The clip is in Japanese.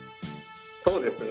そうですね。